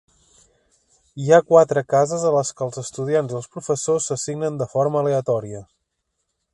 Hi ha quatre cases a les que els estudiants i els professors s'assignen de forma aleatòria.